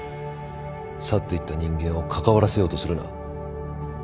去っていった人間を関わらせようとするな。